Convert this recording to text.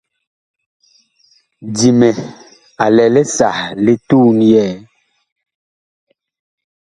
Dimɛ a lɛ li sah li tuun yɛɛ.